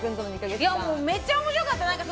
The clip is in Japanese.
めっちゃ面白かった。